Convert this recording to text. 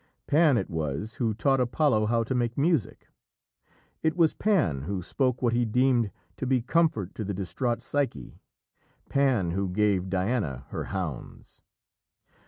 Pan it was who taught Apollo how to make music. It was Pan who spoke what he deemed to be comfort to the distraught Psyche; Pan who gave Diana her hounds.